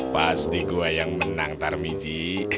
pasti gue yang menang pak haji